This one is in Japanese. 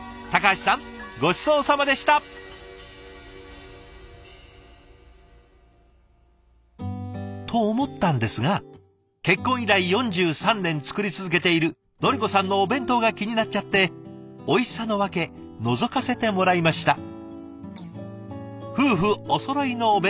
橋さんごちそうさまでした。と思ったんですが結婚以来４３年作り続けているのり子さんのお弁当が気になっちゃっておいしさの訳のぞかせてもらいました。